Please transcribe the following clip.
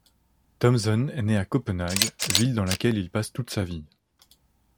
Thomsen est né à Copenhague, ville dans laquelle il passe toute sa vie.